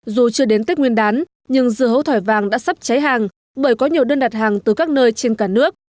dù chưa đến tết nguyên đán nhưng dưa hấu thỏi vàng đã sắp cháy hàng bởi có nhiều đơn đặt hàng từ các nơi trên cả nước